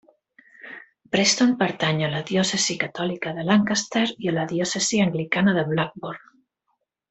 Preston pertany a la diòcesi catòlica de Lancaster i a la diòcesi anglicana de Blackburn.